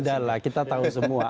udahlah kita tahu semua